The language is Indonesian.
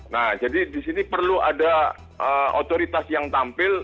nah jadi disini perlu ada otoritas yang tampil